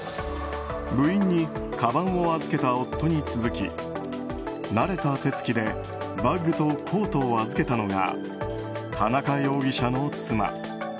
部員にかばんを預けた夫に続き慣れた手つきでバッグとコートを預けたのが田中容疑者の妻。